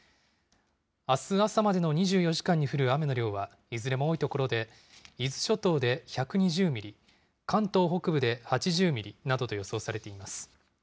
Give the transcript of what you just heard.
あす朝までの２４時間に降る雨の量はいずれも多い所で、伊豆諸島で１２０ミリ、関東北部で８０ミリなどと予想されています。